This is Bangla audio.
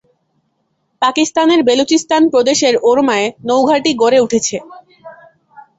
পাকিস্তানের বেলুচিস্তান প্রদেশের ওরমায় নৌঘাঁটি গড়ে উঠেছে।